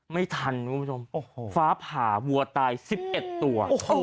ไม่ทันฟ้าผ่าวัวตาย๑๑ตัว